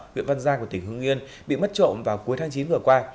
huyện văn giang của tỉnh hưng yên bị mất trộm vào cuối tháng chín vừa qua